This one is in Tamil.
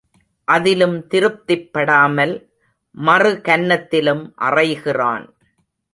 அதிலும் திருப்திப்படாமல், மறுகன்னத்திலும் அறைகிறான்.